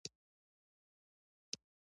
موږ ټول د پښتو ژبې لپاره په ګډه کار کوو.